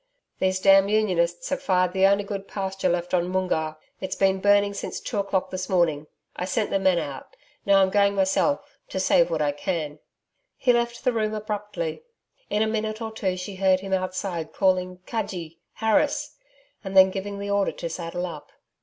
'These damned Unionists have fired the only good pasture left on Moongarr. It's been burning since two o'clock this morning. I sent the men out. Now I'm going myself to save what I can.' He left the room abruptly. In a minute or two she heard him outside calling 'Cudgee... Harris' and then giving the order to saddle up.